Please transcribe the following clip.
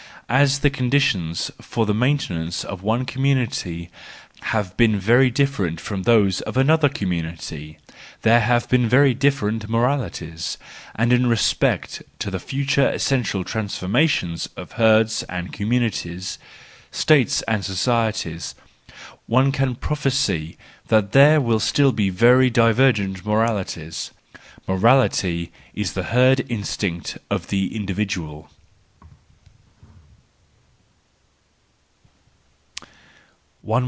As the condi¬ tions for the maintenance of one community have been very different from those of another com¬ munity, there have been very different moralities; and in respect to the future essential transforma¬ tions of herds and communities, states and societies, one can prophesy that there will still be very diver THE JOYFUL WISDOM, III l6l gent moralities. Morality is the herd instinct in the individual.